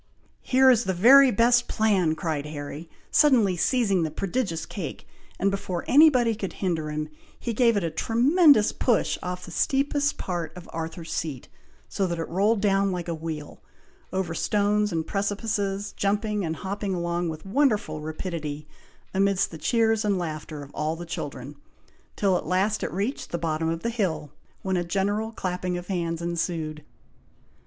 "Here is the very best plan!" cried Harry, suddenly seizing the prodigious cake; and before any body could hinder him, he gave it a tremendous push off the steepest part of Arthur's Seat, so that it rolled down like a wheel, over stones and precipices, jumping and hopping along with wonderful rapidity, amidst the cheers and laughter of all the children, till at last it reached the bottom of the hill, when a general clapping of hands ensued.